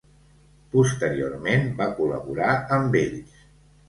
Posteriorment, va col·laborar amb ells.